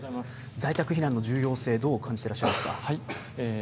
在宅避難の重要性、どう考えていらっしゃいますか。